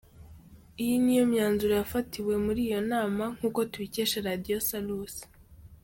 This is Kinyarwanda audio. Iyi ni yo myanzuro yafatiwe muri iyo nama nk’uko tubikesha radio Salusi:.